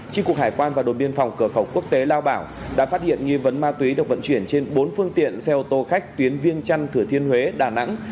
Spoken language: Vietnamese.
tri cục hải quan và đồn biên phòng cửa khẩu quốc tế lao bảo đã phát hiện nghi vấn ma túy được vận chuyển trên bốn phương tiện xe ô tô khách tuyến viên trăn thừa thiên huế đà nẵng